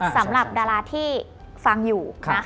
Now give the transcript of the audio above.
สำหรับดาราที่ฟังอยู่นะ